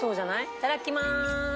いただきまーす！